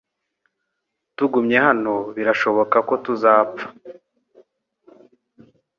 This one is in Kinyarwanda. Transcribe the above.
Tugumye hano, birashoboka ko tuzapfa .